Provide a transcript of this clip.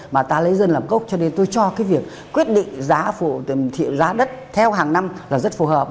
mà ta lấy dân làm gốc cho nên tôi cho cái việc quyết định giá đất theo hàng năm là rất phù hợp